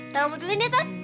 tolong betulin deh ton